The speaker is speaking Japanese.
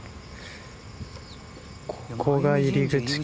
ここが入り口か。